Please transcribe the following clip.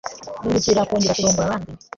bihutira kongera kurongora abandi